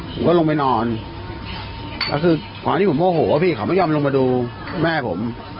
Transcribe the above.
ผมก็ลงไปนอนแล้วก็คือเวลาที่ผมโทษคงไม่ยอมลงดูแม่ผม